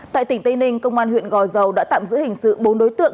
tại tỉnh tây ninh công an huyện gò dầu đã tạm giữ hình sự bốn đối tượng